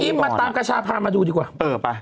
มาตามกระชาพามาดูดีกว่าเออไป